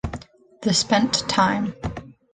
The spent time.